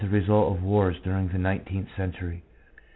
result of wars during the nineteenth century.